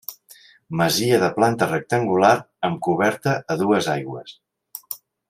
Masia de planta rectangular amb coberta a dues aigües.